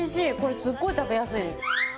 すごく食べやすいです。